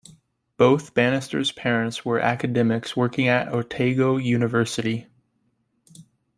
Both Bannister's parents were academics working at Otago University.